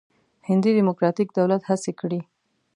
هندي ډموکراتیک دولت هڅې کړې.